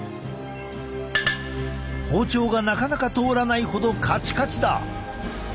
包丁がなかなか通らないほどカチカチだ！